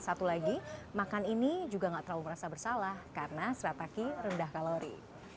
satu lagi makan ini juga nggak terlalu merasa bersalah karena srataki rendah kalori